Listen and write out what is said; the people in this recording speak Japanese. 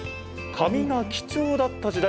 紙が貴重だった時代。